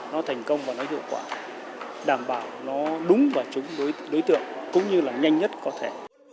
nó thành công và nó hiệu quả đảm bảo nó đúng và trúng đối tượng cũng như là nhanh nhất có thể